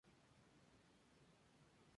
Recibió un castigo de seis partidos por su falta.